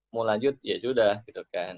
mau lanjut ya sudah gitu kan